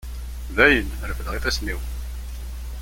Dayen, refdeɣ ifassen-iw.